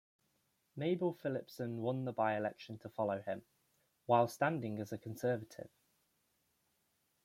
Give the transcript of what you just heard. Mabel Philipson won the by-election to follow him, while standing as a Conservative.